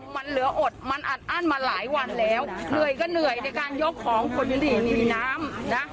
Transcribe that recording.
มันเหลืออดมันอัดอั้นมาหลายวันแล้วเหนื่อยก็เหนื่อยในการยกของคนที่หนีน้ำนะ